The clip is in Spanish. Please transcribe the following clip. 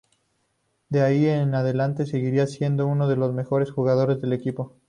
Y de ahí en adelante seguiría siendo uno de los mejores jugadores del equipo.